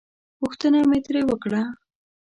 پوښتنه مې ترې وکړه.